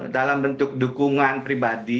dalam bentuk dukungan pribadi